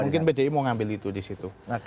mungkin bdi mau ngambil itu disitu